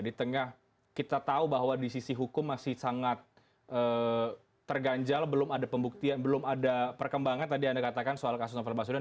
di tengah kita tahu bahwa di sisi hukum masih sangat terganjal belum ada pembuktian belum ada perkembangan tadi anda katakan soal kasus novel baswedan